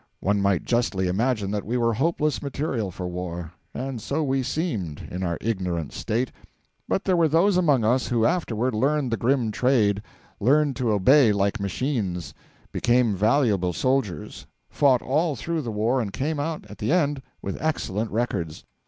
One might justly imagine that we were hopeless material for war. And so we seemed, in our ignorant state; but there were those among us who afterward learned the grim trade; learned to obey like machines; became valuable soldiers; fought all through the war, and came out at the end with excellent records.